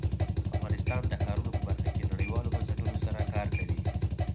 افغانستان د ښارونه په برخه کې نړیوالو بنسټونو سره کار کوي.